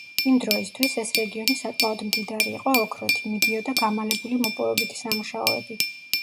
იმ დროისთვის, ეს რეგიონი საკმაოდ მდიდარი იყო ოქროთი, მიდიოდა გამალებული მოპოვებითი სამუშაოები.